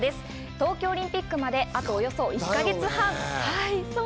東京オリンピックまで、およそ１か月半。